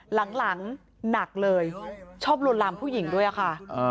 หลังหนักเลยชอบลวนลามผู้หญิงด้วยค่ะ